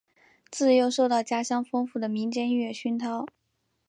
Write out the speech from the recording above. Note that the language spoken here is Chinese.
自幼受到家乡丰富的民间音乐熏陶。